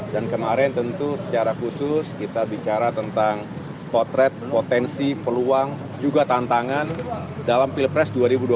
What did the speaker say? dan kemarin tentu secara khusus kita bicara tentang potret potensi peluang juga tantangan dalam pilpres dua ribu dua puluh empat